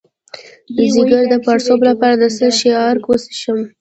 د ځیګر د پړسوب لپاره د څه شي عرق وڅښم؟